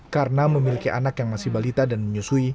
karena memiliki anak yang masih balita dan menyusui